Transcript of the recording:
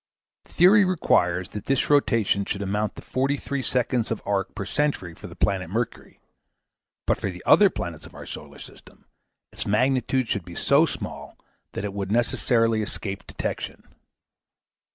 Theory requires that this rotation should amount to 43 seconds of arc per century for the planet Mercury, but for the other Planets of our solar system its magnitude should be so small that it would necessarily escape detection.